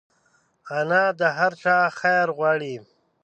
انا د هر چا خیر غواړي